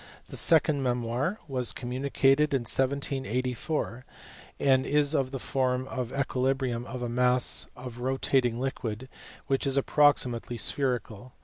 The second memoir was communicated in 1784, and is on the form of equilibrium of a mass of rotating liquid which is approximately spherical.